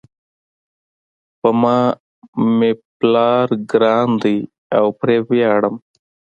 په ما مېپلار ګران ده او پری ویاړم